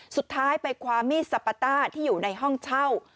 สุดท้ายไปคว้ามีดสปาต้าที่อยู่ในห้องเช่า